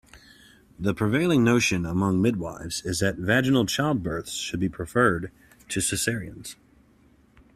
The prevailing notion among midwifes is that vaginal childbirths should be preferred to cesareans.